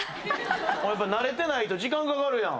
やっぱ慣れてないと時間かかるやん。